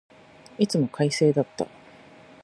いつも快晴だった。